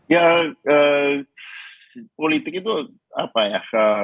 ya politik itu apa ya